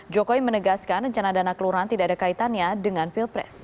jokowi menegaskan rencana dana kelurahan tidak ada kaitannya dengan pilpres